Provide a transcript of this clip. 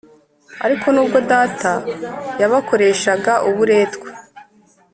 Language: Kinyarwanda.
Ariko nubwo data yabakoreshaga uburetwa